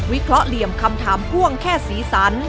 เคราะห์เหลี่ยมคำถามพ่วงแค่สีสัน